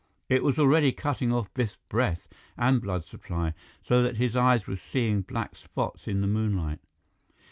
It was already cutting off Biff's breath and blood supply, so that his eyes were seeing black spots in the moonlight.